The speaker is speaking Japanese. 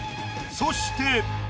そして。